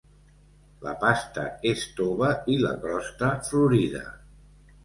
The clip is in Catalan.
La pasta és tova i la crosta florida.